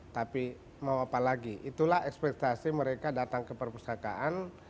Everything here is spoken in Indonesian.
tapi mau apa lagi itulah ekspektasi mereka datang ke perpustakaan